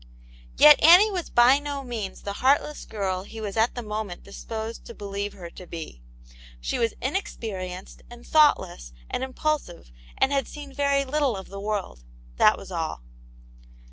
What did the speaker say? Yet, Annie was by no means the heartless girl he was at the moment disposed to believe her to be. She was inexperienced, and thoughtless, and im pulsive, and had seen very little of the world ; that was all.